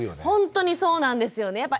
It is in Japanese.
ほんとにそうなんですよね！